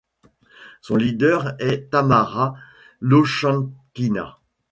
Son leader est Tamara Lochankina.